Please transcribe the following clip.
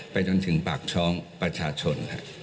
จนถึงปากท้องประชาชน